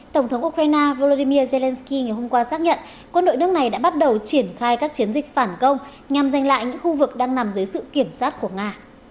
tổng thống ukraine volodymyr zelensky ngày hôm qua xác nhận quân đội nước này đã bắt đầu triển khai các chiến dịch phản công nhằm giành lại những khu vực đang nằm dưới sự kiểm soát của nga